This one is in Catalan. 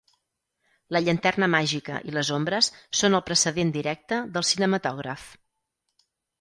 La llanterna màgica i les ombres són el precedent directe del cinematògraf.